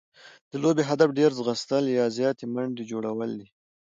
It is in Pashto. د لوبي هدف ډېر ځغستل يا زیاتي منډي جوړول دي.